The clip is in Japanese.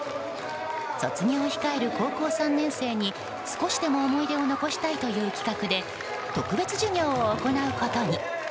卒業を控える高校３年生に少しでも思い出を残したいという企画で特別授業を行うことに。